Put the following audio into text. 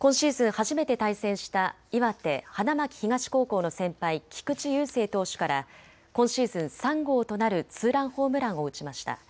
初めて対戦した岩手、花巻東高校の先輩、菊池雄星投手から今シーズン３号となるツーランホームランを打ちました。